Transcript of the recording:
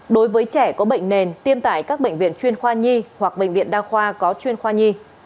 đối với trẻ có bệnh nền tiêm tại các bệnh viện chuyên khoa nhi hoặc bệnh viện đa khoa có chuyên khoa nhi